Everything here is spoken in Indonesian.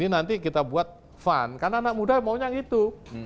nanti kita buat fun karena anak muda maunya itu